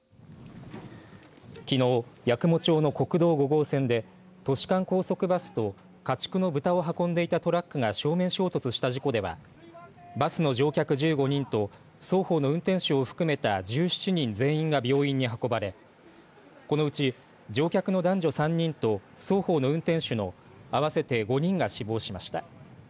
きのう八雲町の国道５号線で都市間高速バスと家畜の豚を運んでいたトラックが正面衝突した事故ではバスの乗客１５人と双方の運転手を含めた１７人全員が病院に運ばれこのうち乗客の男女３人と双方の運転手の合わせて５人が死亡しました。